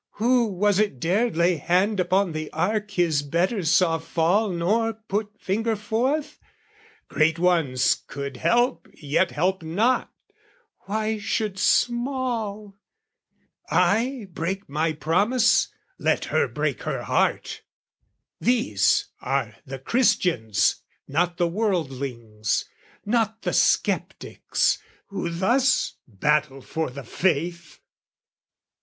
"Who was it dared lay hand upon the ark "His betters saw fall nor put finger forth? "Great ones could help yet help not: why should small? "I break my promise: let her break her heart!" These are the Christians not the wordlings, not The sceptics, who thus battle for the faith!